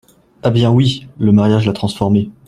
Ah bien oui ! le mariage l’a transformée !